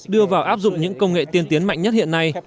đưa vào áp dụng những công nghệ tiên tiến mạnh nhất hiện nay